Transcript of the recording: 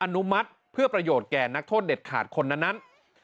อนุมัติเพื่อประโยชน์แก่นักโทษเด็ดขาดคนนั้น